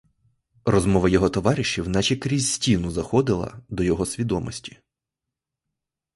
Розмова його товаришів, наче крізь стіну, заходила до його свідомости.